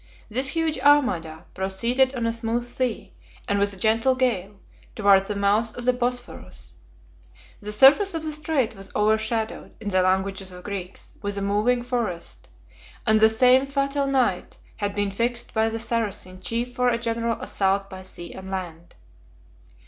This huge armada proceeded on a smooth sea, and with a gentle gale, towards the mouth of the Bosphorus; the surface of the strait was overshadowed, in the language of the Greeks, with a moving forest, and the same fatal night had been fixed by the Saracen chief for a general assault by sea and land.